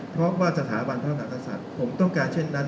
เพราะว่าสถาบันพระมหากษัตริย์ผมต้องการเช่นนั้น